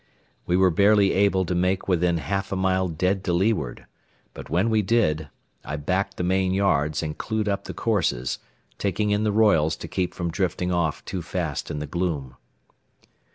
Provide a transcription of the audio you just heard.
We were barely able to make within half a mile dead to leeward, but when we did, I backed the main yards and clewed up the courses, taking in the royals to keep from drifting off too fast in the gloom.